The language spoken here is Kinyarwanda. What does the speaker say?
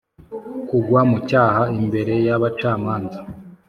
kugwa mu cyaha, imbere y’abacamanza,